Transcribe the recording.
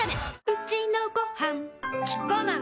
うちのごはんキッコーマン